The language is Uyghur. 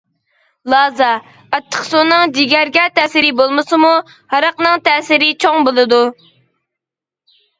لازا، ئاچچىقسۇنىڭ جىگەرگە تەسىرى بولمىسىمۇ، ھاراقنىڭ تەسىرى چوڭ بولىدۇ.